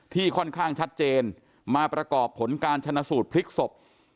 ค่อนข้างชัดเจนมาประกอบผลการชนะสูตรพลิกศพ